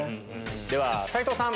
では斎藤さん。